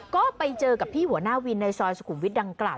ก็ไปเจอกับพี่หัวหน้าวินในซอยสุขุมวิทย์ดังกล่าว